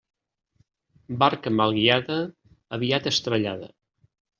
Barca mal guiada, aviat estrellada.